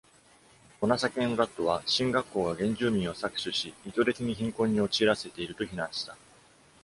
オナサケンラットは神学校が原住民を搾取し、意図的に貧困に陥らせていると非難した。